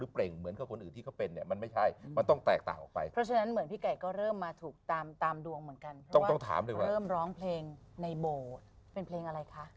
เป็นเพลงอะไรคะ